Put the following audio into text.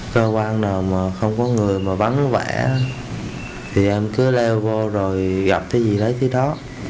cơ quan nào mà không có người mà vắng vẻ thì em cứ leo vô rồi gặp cái gì đấy chứ đó